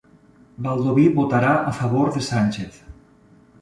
Baldoví votarà a favor de Sánchez